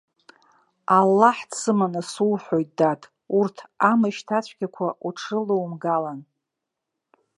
Аллаҳ дсыманы суҳәоит, дад, урҭ амышьҭацәгьақәа уҽрылоумгалан.